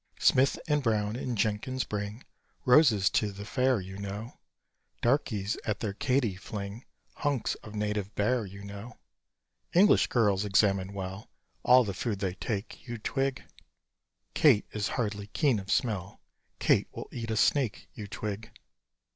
Smith, and Brown, and Jenkins, bring Roses to the fair, you know. Darkies at their Katie fling Hunks of native bear, you know. English girls examine well All the food they take, you twig: Kate is hardly keen of smell Kate will eat a snake, you twig.